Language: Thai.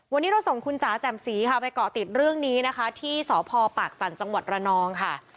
วันนี้เราส่งคุณจ๋าแจ่มสีค่ะไปเกาะติดเรื่องนี้นะคะที่สพปากจันทร์จังหวัดระนองค่ะ